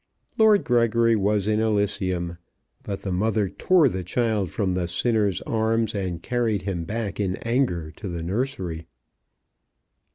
Lord Gregory was in Elysium, but the mother tore the child from the sinner's arms, and carried him back in anger to the nursery.